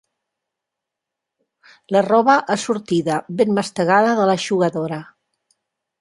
La roba ha sortida ben mastegada de l'eixugadora.